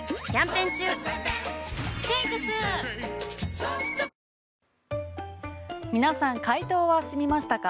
ペイトク皆さん、解答は済みましたか？